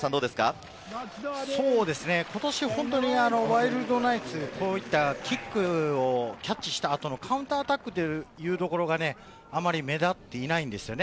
今年、本当にワイルドナイツ、こういったキックをキャッチした後のカウンターアタックがあまり目立っていないんです。